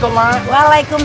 selamat pulang undang